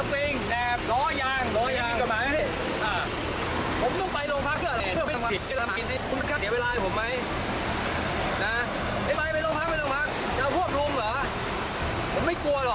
อืม